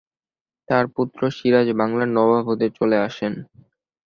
তার পুত্র সিরাজ বাংলার নবাব হতে চলে আসেন।